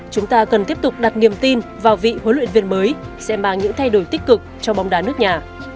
chúng ta cần tiếp tục đặt niềm tin vào vị huấn luyện viên mới sẽ mang những thay đổi tích cực cho bóng đá nước nhà